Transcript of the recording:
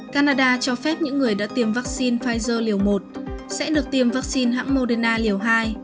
canada cho phép những người đã tiêm vaccine pfizer liều một sẽ được tiêm vaccine hãng moderna liều hai